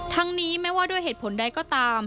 ทั้งนี้ไม่ว่าด้วยเหตุผลใดก็ตาม